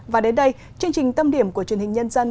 và đến đây chương trình tâm điểm của truyền hình nhân dân